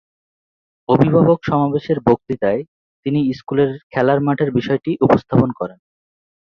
অভিভাবক সমাবেশের বক্তৃতায় তিনি স্কুল খেলার মাঠের বিষয়টি উত্থাপন করেছিলেন।